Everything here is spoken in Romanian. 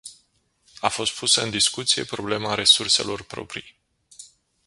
A fost pusă în discuție problema resurselor proprii.